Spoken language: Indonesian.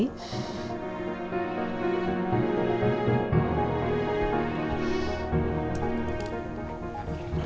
tarik nafas lagi